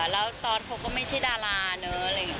แล้วตอนเขาก็ไม่ใช่ดาราเนอะอะไรอย่างนี้